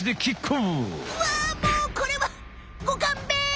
もうこれはごかんべん！